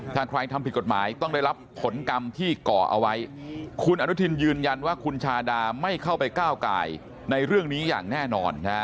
ถ้าใครทำผิดกฎหมายต้องได้รับผลกรรมที่ก่อเอาไว้คุณอนุทินยืนยันว่าคุณชาดาไม่เข้าไปก้าวกายในเรื่องนี้อย่างแน่นอน